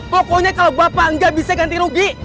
pokoknya kalau bapak enggak bisa ganti logi